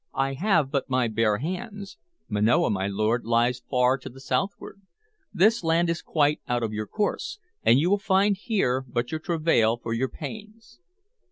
"I have but my bare hands. Manoa, my lord, lies far to the southward. This land is quite out of your course, and you will find here but your travail for your pains.